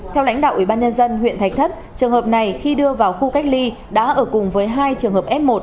theo lãnh đạo ủy ban nhân dân huyện thạch thất trường hợp này khi đưa vào khu cách ly đã ở cùng với hai trường hợp f một